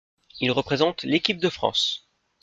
Il représente l'équipe de France.